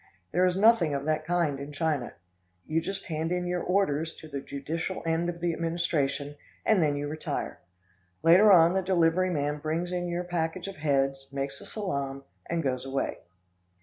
There is nothing of that kind in China. You just hand in your orders to the judicial end of the administration, and then you retire. Later on, the delivery man brings in your package of heads, makes a salaam, and goes away.